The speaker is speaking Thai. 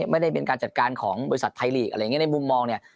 ไม่ได้เป็นการจัดการของบริษัทไทยลีกอะไรอย่างนี้ในมุมมองเนี่ย